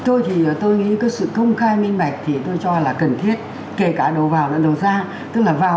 tôi thì tôi nghĩ cái sự công khai minh bạch thì tôi cho là cần thiết kể cả đầu vào lần đầu ra tức là vào